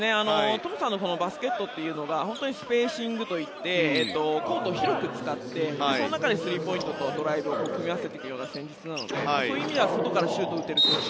トムさんのバスケットというのがスペーシングといってコートを広く使ってその中でスリーポイントとドライブを組み合わせていく戦術なのでそういう意味では外からシュートを打てる選手